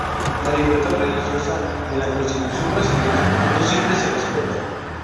La libertad religiosa en la Constitución Brasileña no siempre se respeta.